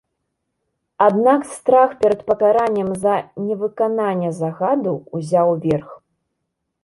Аднак страх перад пакараннем за невыкананне загаду ўзяў верх.